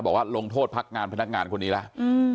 บอกว่าลงโทษพักงานพนักงานคนนี้แล้ว